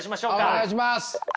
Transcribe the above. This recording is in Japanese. お願いします！